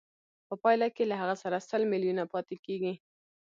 په پایله کې له هغه سره سل میلیونه پاتېږي